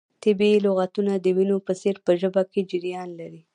طبیعي لغتونه د وینو په څیر په ژبه کې جریان لري.